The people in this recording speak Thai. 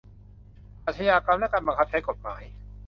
อาชญากรรมและการบังคับใช้กฎหมาย